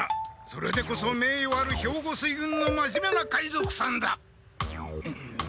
それでこそ名誉ある兵庫水軍のまじめな海賊さんだ。